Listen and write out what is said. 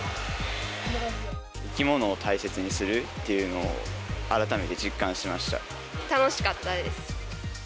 生き物を大切にするっていう楽しかったです。